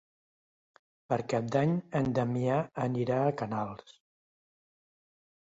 Per Cap d'Any en Damià anirà a Canals.